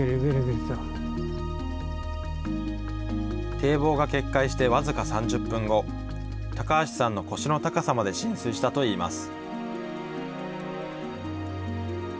堤防が決壊して僅か３０分後、高橋さんの腰の高さまで浸水したといいます。